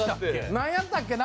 なんやったっけな？